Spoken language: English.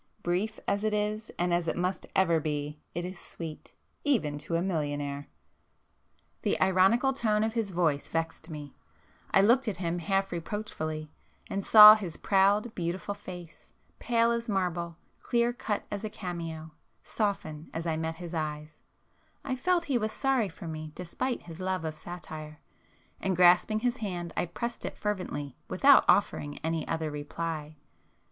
—brief as it is and as it must ever be, it is sweet!—even to a millionaire!" The ironical tone of his voice vexed me,—I looked at him half reproachfully, and saw his proud beautiful face, pale as [p 381] marble, clear cut as a cameo, soften as I met his eyes,—I felt he was sorry for me despite his love of satire,—and grasping his hand I pressed it fervently without offering any other reply.